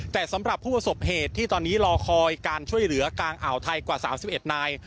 แต่สำหรับผู้ประสบเหตุที่ตอนนี้รอคอยการช่วยเหลือกลางอ่าวไทยกว่า๓๑นาย